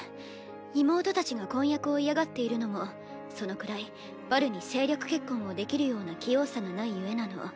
妹たちが婚約を嫌がっているのもそのくらいバルに政略結婚をできるような器用さがないゆえなの。